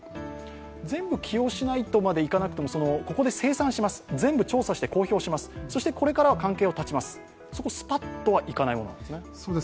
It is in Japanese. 全部起用しないとまでいかなくても、ここで清算します、全部調査して公表します、そしてこれからは関係を断ちます、そこをスパッとはいかないものなんですね？